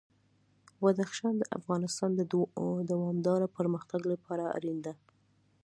بدخشان د افغانستان د دوامداره پرمختګ لپاره اړین دي.